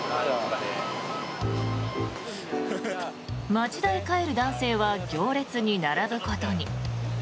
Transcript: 町田へ帰る男性は行列に並ぶことに。